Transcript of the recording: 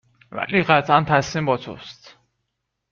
ولی قطعا تصمیم با توست